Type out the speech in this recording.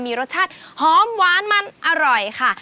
มีรสชาติหอมหวานมันอร่อยค่ะ